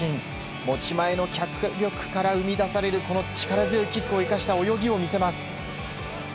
持ち前の脚力から生み出される力強いキックを生かした泳ぎを見せます。